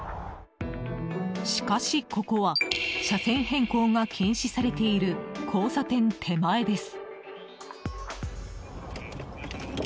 しかし、ここは車線変更が禁止されている交差点手前です。